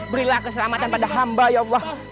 berilah keselamatan pada hamba yallah